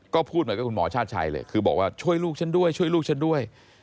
ก็พูดเหมือนกับคุณหมอชาติชัยเลยคือบอกว่าช่วยลูกฉันด้วยช่วยลูกฉันด้วย